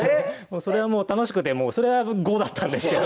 それはもう楽しくてそれは５だったんですけど。